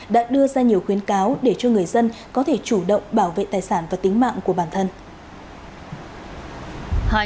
đã đưa ra nhiều khuyến cáo để cho người dân có thể chủ động bảo vệ tài sản và tính mạng của bản thân